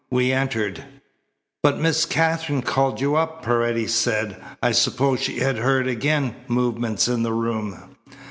We entered." "But Miss Katherine called you up," Paredes said. "I supposed she had heard again movements in the room."